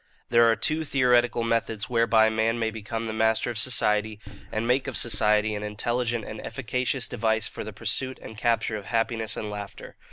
"There are two theoretical methods whereby man may become the master of society, and make of society an intelligent and efficacious device for the pursuit and capture of happiness and laughter.